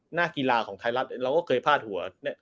หน้ากีฬาของไทยรัฐเราก็เคยพาดหัว